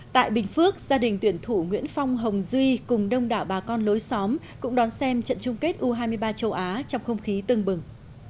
tại bình phước gia đình tuyển thủ nguyễn phong hồng duy cùng đông đảo bà con lối xóm cũng đón xem trận chung kết u hai mươi ba châu á trong không khí tưng bừng